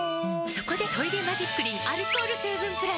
そこで「トイレマジックリン」アルコール成分プラス！